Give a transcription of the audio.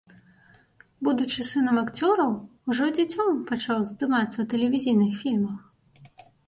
Будучы сынам акцёраў, ужо дзіцем пачаў здымацца ў тэлевізійных фільмах.